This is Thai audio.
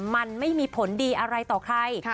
มันไม่มีผลดีอะไรต่อใคร